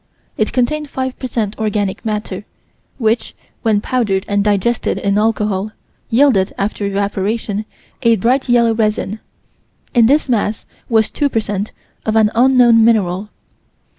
It contained 5 per cent organic matter, which, when powdered and digested in alcohol, yielded, after evaporation, a bright yellow resin. In this mass was 2 per cent of an unknown mineral.